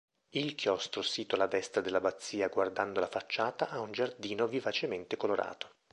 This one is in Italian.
Il chiostro sito alla destra dell'abbazia guardando la facciata ha un giardino vivacemente colorato.